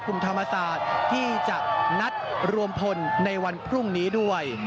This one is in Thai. กลุ่มธรรมศาสตร์ที่จะนัดรวมพลในวันพรุ่งนี้ด้วย